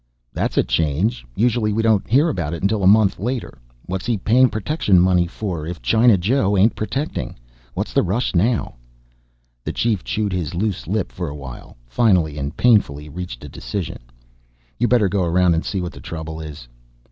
"That's a change. Usually we don't hear about it until a month later. What's he paying protection money for if China Joe ain't protecting? What's the rush now?" The Chief chewed his loose lip for a while, finally and painfully reached a decision. "You better go around and see what the trouble is."